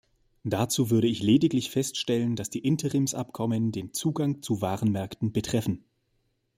Dazu würde ich lediglich feststellen, dass die Interimsabkommen den Zugang zu Warenmärkten betreffen.